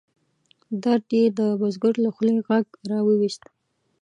درد یې د بزګر له خولې غږ را ویوست.